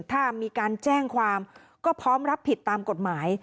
ถ้ามีการแจ้งความก็พร้อมรับผิดตามกฎหมาย